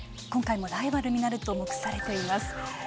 今回もライバルになると目されています。